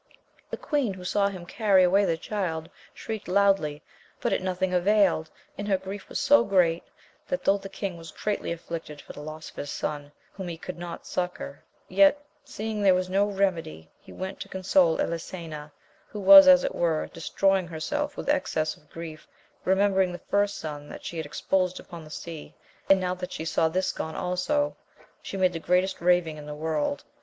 The queen, who saw him carry away the child, shrieked loudly, but it nothing availed, and her grief was so great, that though the king was greatly afflicted for the loss of his son, whom he could not suc cour, yet, seeing there was no remedy, he went to con sole EHsena, who was as it were, destroying herself with excess of grief, remembering the first son that she had exposed upon the sea, and now that she saw this gone also, she made the greatest raving in the world.